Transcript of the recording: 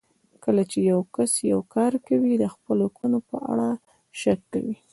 کله چې يو کس يو کار کوي د خپلو کړنو په اړه شک کوي.